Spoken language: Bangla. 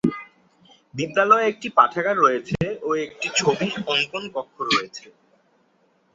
বিদ্যালয়ে একটি পাঠাগার রয়েছে ও একটি ছবি অঙ্কন কক্ষ রয়েছে।